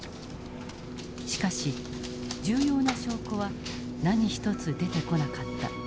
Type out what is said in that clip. しかし重要な証拠は何一つ出てこなかった。